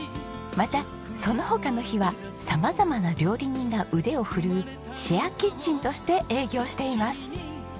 またその他の日は様々な料理人が腕を振るうシェアキッチンとして営業しています。